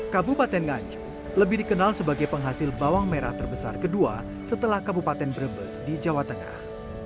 kabupaten nganjuk lebih dikenal sebagai penghasil bawang merah terbesar kedua setelah kabupaten brebes di jawa tengah